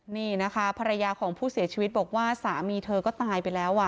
นี่นะคะภรรยาของผู้เสียชีวิตบอกว่าสามีเธอก็ตายไปแล้ว